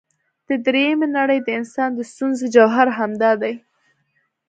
د درېمې نړۍ د انسان د ستونزې جوهر همدا دی.